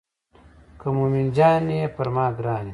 که مومن جان یې پر ما ګران یې.